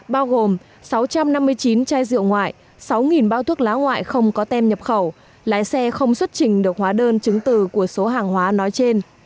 bao gồm sáu trăm năm mươi chín chai rượu ngoại sáu bao thuốc lá ngoại không có tem nhập khẩu lái xe không xuất trình được hóa đơn chứng từ của số hàng hóa nói trên